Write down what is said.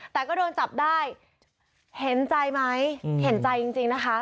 แต่ก็โดนจับได้เห็นใจไหมเห็นใจจริงนะคะ